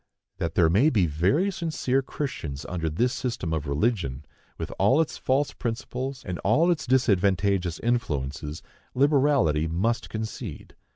That there may be very sincere Christians under this system of religion, with all its false principles and all its disadvantageous influences, liberality must concede.